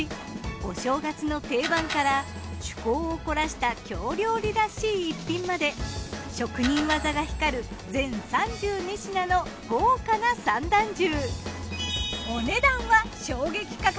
お正月の定番から趣向を凝らした京料理らしい逸品まで職人技が光る全３２品の豪華な三段重。